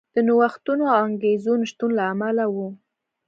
د نوښتونو او انګېزو نشتون له امله و.